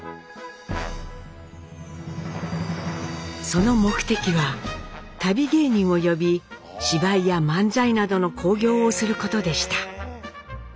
その目的は旅芸人を呼び芝居や漫才などの興行をすることでした。